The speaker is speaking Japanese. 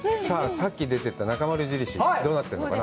さっき出ていったなかまる印、どうなってるのかな？